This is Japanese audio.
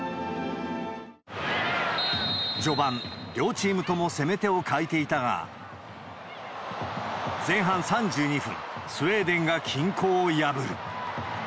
序盤、両チームとも攻め手を欠いていたが、前半３２分、スウェーデンが均衡を破る。